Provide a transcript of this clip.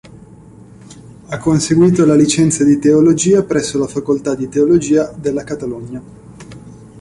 Ha conseguito la licenza in teologia presso la Facoltà di teologia della Catalogna.